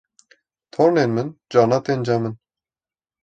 tornên min carna tên cem min